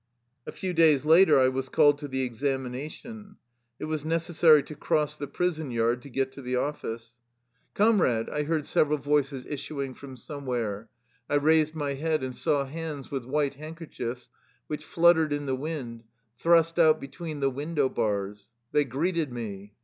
A few days later I was called to the examina tion. It was necessary to cross the prison yard to get to the office. 61 THE LIFESTORY OF A RUSSIAN EXILE " Comrade !" I heard several voices issuing from somewhere. I raised my head and saw hands with white handkerchiefs, which fluttered in the wind, thrust out between the window bars. They greeted me.